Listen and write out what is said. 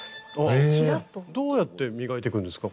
どうやって磨いていくんですかこれは。